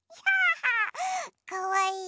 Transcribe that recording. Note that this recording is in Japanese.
かわいい？